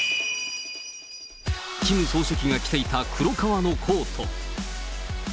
キム総書記が着ていた黒革のコート。